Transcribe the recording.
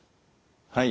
はい。